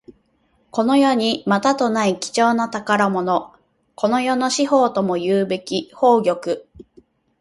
この世にまたとない貴重な宝物。この世の至宝ともいうべき宝玉。